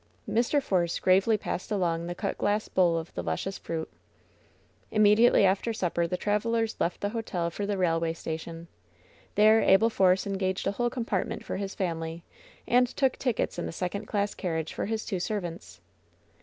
Mr. Force gravely passed along the cut glass bowl of the luscious fruit 180 LOVE'S BITTEREST CUP Immediately after supper the travelers left the hotel for the railway station. There Abel Force engaged a whole compartment for his family, and took tickets in the second class carriage for his two servants.